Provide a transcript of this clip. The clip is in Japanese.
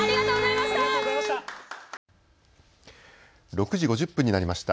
６時５０分になりました。